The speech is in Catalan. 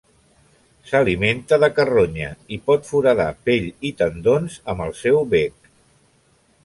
S'alimenta de carronya i pot foradar pell i tendons amb el seu bec.